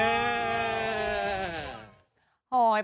ก็ร้องเหมือนกัน